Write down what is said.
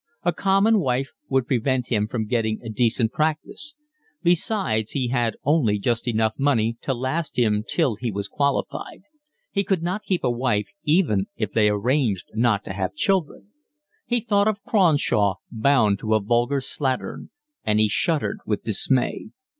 A common wife would prevent him from getting a decent practice. Besides, he had only just enough money to last him till he was qualified; he could not keep a wife even if they arranged not to have children. He thought of Cronshaw bound to a vulgar slattern, and he shuddered with dismay.